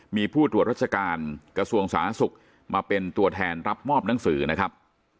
มีผู้ตรวจราชการกระทรวงสาธารณสุขมาเป็นตัวแทนรับมอบหนังสือนะครับ